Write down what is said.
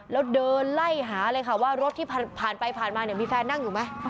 แล้วเดินไล่หาเลยค่ะว่ารถที่ผ่านไปผ่านมาเนี่ยมีแฟนนั่งอยู่ไหม